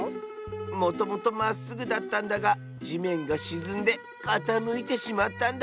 もともとまっすぐだったんだがじめんがしずんでかたむいてしまったんだ。